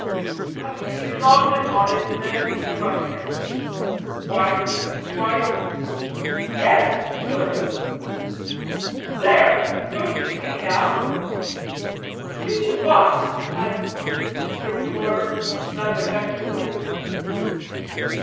"But is not an honest man to be trusted?" "Why why yes, sir." "There! don't you see, now?" "See what?" asked the disconcerted barber, rather vexedly.